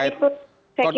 saya kira itu langkah langkah